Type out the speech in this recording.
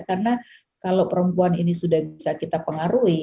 karena kalau perempuan ini sudah bisa kita pengaruhi